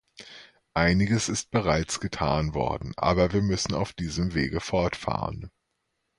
Einiges ist bereits getan worden, aber wir müssen auf diesem Wege fortfahren.